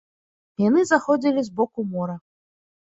Яны заходзілі з боку мора.